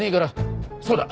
そうだ。